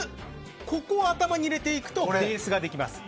ここを頭に入れていくとベースができます。